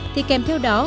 thì kèm theo đó